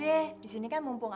eh disini kan mumpungnya